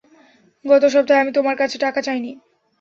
গত সপ্তাহে, আমি তোমার কাছে টাকা চাইনি।